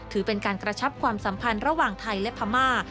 ถือเป็นการกระชับความสัมพันธ์ระหว่างไทยและพม่า